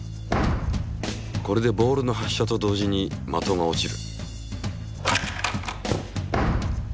これでボールの発射と同時に的が落ちる。